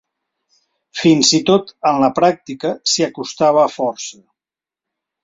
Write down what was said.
Fins i tot en la pràctica s'hi acostava força.